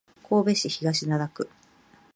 神戸市東灘区